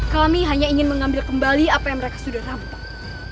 kami hanya ingin mengambil kembali apa yang mereka sudah rampung